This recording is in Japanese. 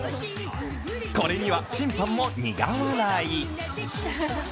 これには審判も苦笑い。